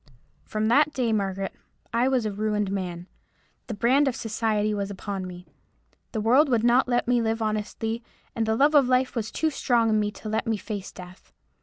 "From that day, Margaret, I was a ruined man. The brand of society was upon me. The world would not let me live honestly, and the love of life was too strong in me to let me face death.